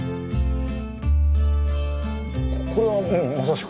これはまさしく。